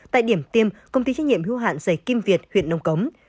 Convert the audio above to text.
tại điểm tiêm công ty trách nhiệm hưu hạn giấy kim việt huyện nông cống